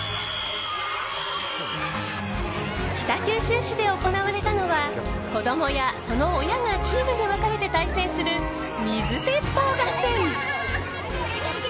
北九州市で行われたのは子供やその親がチームに分かれて対戦する水鉄砲合戦。